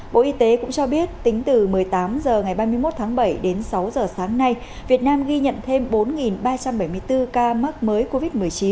bộ y tế cũng cho biết tính từ một mươi tám h ngày ba mươi một tháng bảy đến sáu giờ sáng nay việt nam ghi nhận thêm bốn ba trăm bảy mươi bốn ca mắc mới covid một mươi chín